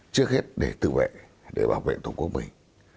trước hết để tự vệ để bảo vệ tổ quốc mình